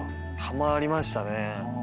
ハマりましたね。